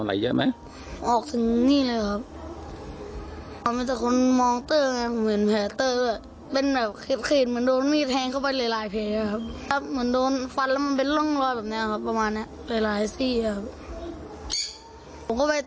แล้วจากนั้นก็กลับมานี่ครับ